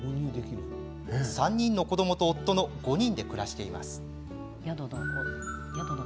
３人の子どもと夫の５人で暮らしています。